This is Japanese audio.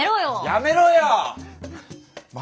やめろよ！